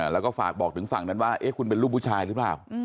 แล้วก็ฝากบอกถึงฝั่งนั้นว่าคุณเป็นลูกผู้ชายหรือเปล่า